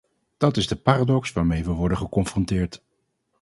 Dat is de paradox waarmee we worden geconfronteerd.